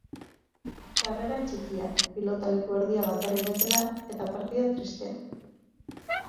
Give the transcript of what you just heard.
Sarrera txikia, pilotaleku erdia bakarrik bete da, eta partida tristea.